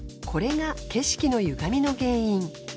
これが景色のゆがみの原因。